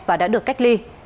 và đã được cách ly